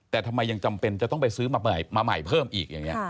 แต่ทำไมยังจำเป็นจะต้องไปซื้อมาใหม่เพิ่มอีกอย่างนี้